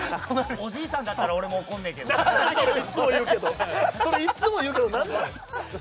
おじいさんだったら俺も怒んねえけどいつも言うけどそれいつも言うけど何なん？